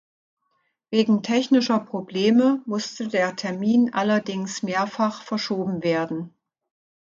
Wegen technischer Probleme musste der Termin allerdings mehrfach verschoben werden.